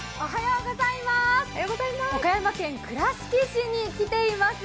岡山県倉敷市に来ています。